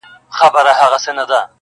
زه کرمه سره ګلاب ازغي هم ور سره شنه سي,